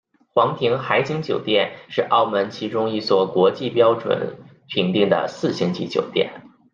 皇庭海景酒店是澳门其中一所国际标准评定的四星级酒店。